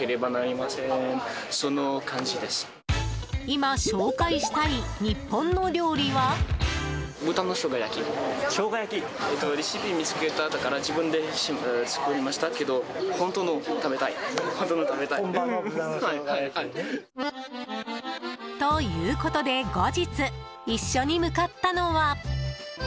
今、紹介したい日本の料理は？ということで後日、一緒に向かったのは。